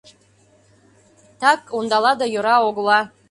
Так, ондала да йӧра огыла.